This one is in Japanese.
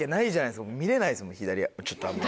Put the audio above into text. ちょっとあんまり。